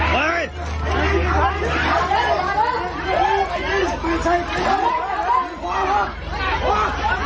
เฮ้ยเฮ้ยเฮ้ยเฮ้ย